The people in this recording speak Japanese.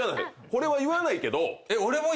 これは言わないけど。